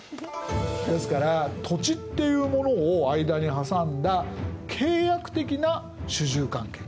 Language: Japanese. ですから土地っていうものを間に挟んだ契約的な主従関係。